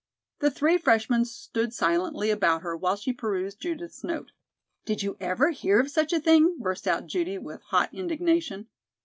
The three freshmen stood silently about her while she perused Judith's note. "Did you ever hear of such a thing?" burst out Judy with hot indignation.